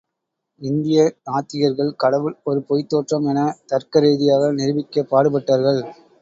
இந்திய நாத்திகர்கள் கடவுள் ஒரு பொய்த் தோற்றம் என தர்க்க ரீதியாக நிரூபிக்கப் பாடுபட்டார்கள்.